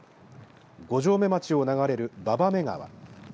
五城目町を流れる馬場目川